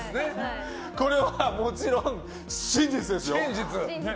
これはもちろん真実ですよ。